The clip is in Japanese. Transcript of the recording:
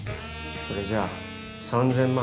それじゃあ３０００万